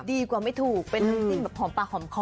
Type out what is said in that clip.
ดีกว่าไม่ถูกเป็นน้ำจิ้มแบบหอมปลาหอมคอ